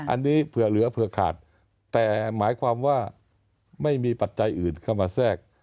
อันนี้เผื่อเหลือเผื่อขาดแต่หมายความว่าไม่มีปัจจัยอื่นเข้ามาแทรก